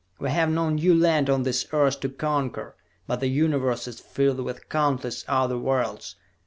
We have no new land on this Earth to conquer; but the Universe is filled with countless other worlds!